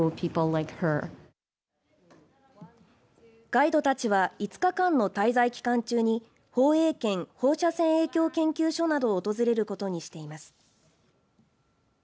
ガイドたちは５日間の滞在期間中に放影研、放射線影響研究所などを訪れることにしています。